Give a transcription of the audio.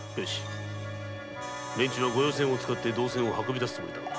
連中は御用船を使って銅銭を運び出すつもりだな。